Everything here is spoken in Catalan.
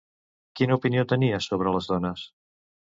Quina opinió tenia sobre les dones?